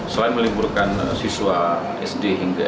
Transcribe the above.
selain meliburkan karyawannya yang sedang hamil